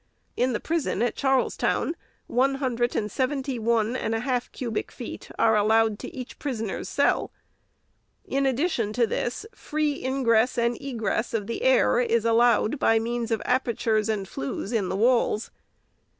Iii the Prison at Charlestown, one huncred and seventy one and a half cubic feet are allowed to each prisoner's cell. In addition to this, free ingress and egress of the air is allowed, by means of apertures and flues in the walls.